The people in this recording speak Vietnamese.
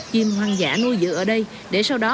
chim hoang dã nuôi giữ ở đây để sau đó